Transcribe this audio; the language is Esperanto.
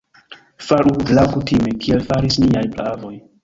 Faru laŭkutime, kiel faris niaj praavoj!